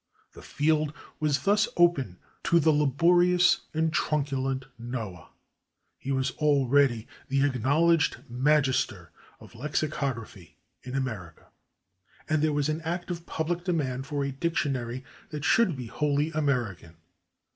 The field was thus open to the laborious and truculent Noah. He was already the acknowledged magister of lexicography in America, and there was an active public demand for a dictionary that should be wholly American.